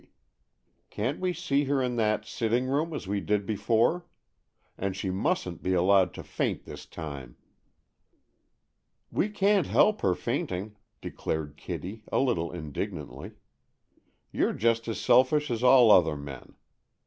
Can't we see her in that sitting room, as we did before? And she mustn't be allowed to faint this time." "We can't help her fainting," declared Kitty, a little indignantly. "You're just as selfish as all other men.